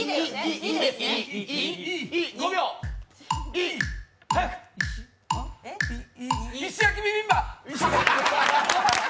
い石焼きビビンバ。